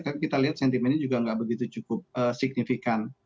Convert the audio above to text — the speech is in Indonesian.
tapi kita lihat sentimennya juga nggak begitu cukup signifikan